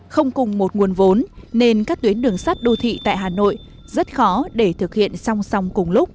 không cùng một nguồn vốn nên các tuyến đường sắt đô thị tại hà nội rất khó để thực hiện song song cùng lúc